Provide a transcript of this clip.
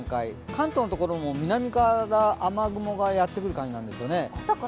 関東のところも南側から雨雲がやってくる感じですね。